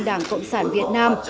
đảng cộng sản việt nam